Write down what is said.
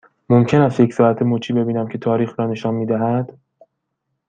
ممکن است یک ساعت مچی ببینم که تاریخ را نشان می دهد؟